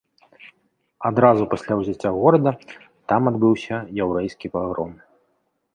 Адразу пасля ўзяцця горада там адбыўся яўрэйскі пагром.